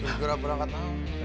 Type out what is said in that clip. segera berangkat om